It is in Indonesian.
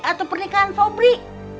atau pernikahan sobri